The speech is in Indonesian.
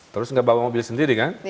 terus nggak bawa mobil sendiri kan